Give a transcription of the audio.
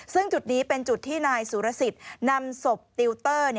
ซึ่งจุดนี้เป็นจุดที่นายสุรสิทธิ์นำศพติวเตอร์